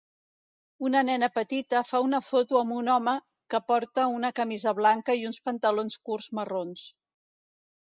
Una nena petita fa una foto amb un home que porta una camisa blanca i uns pantalons curts marrons.